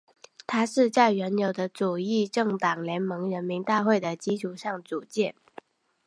它是在原有的左翼政党联盟人民大会的基础上组建。